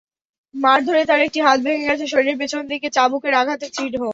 মারধরে তাঁর একটি হাত ভেঙে গেছে, শরীরের পেছন দিকে চাবুকের আঘাতের চিহ্ন।